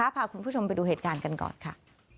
พาคุณผู้ชมไปดูเหตุการณ์กันก่อนค่ะ